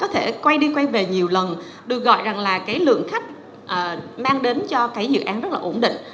có thể quay đi quay về nhiều lần được gọi rằng là cái lượng khách mang đến cho cái dự án rất là ổn định